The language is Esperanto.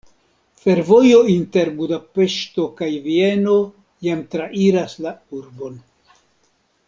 Fervojo inter Budapeŝto kaj Vieno jam trairas la urbon.